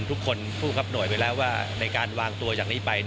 ผู้ครับหน่วยไปแล้วว่าในการวางตัวจากนี้ไป